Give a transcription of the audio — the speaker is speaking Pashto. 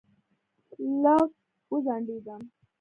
لږ وځنډېدم.